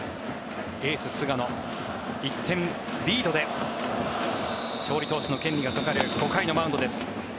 エース、菅野、１点リードで勝利投手の権利がかかる５回のマウンドです。